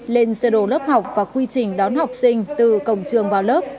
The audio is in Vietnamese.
lên sơ đồ lớp học và quy trình đón học sinh từ cổng trường vào lớp